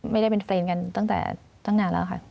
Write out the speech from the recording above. ไม่ได้เป็นเฟรนด์กันตั้งแต่ตั้งนานแล้วค่ะ